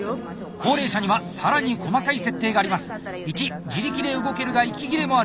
高齢者には更に細かい設定があります！